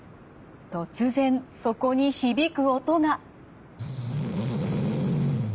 突然そこに響く音が。